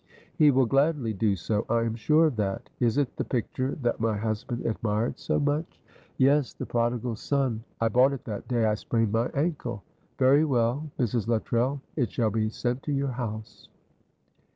"He will gladly do so, I am sure of that. Is it the picture that my husband admired so much?" "Yes, the Prodigal Son; I bought it that day I sprained my ankle. Very well, Mrs. Luttrell, it shall be sent to your house."